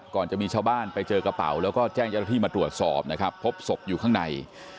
จะมีชาวบ้านไปเจอกระเป๋าแล้วก็แจ้งเจ้าหน้าที่มาตรวจสอบนะครับพบศพอยู่ข้างใน